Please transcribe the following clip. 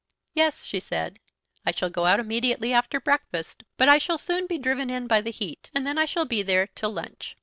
"Yes," she said; "I shall go out immediately after breakfast, but I shall soon be driven in by the heat, and then I shall be there till lunch.